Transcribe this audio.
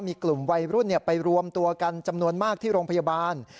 มีกลุ่มวัยรุ่นไปรวมตัวกันจำนวนมากที่โรงพยาบาล